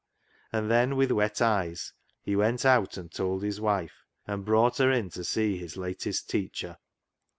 And then with wet eyes he went out and told his wife, and brought her in to see his latest teacher.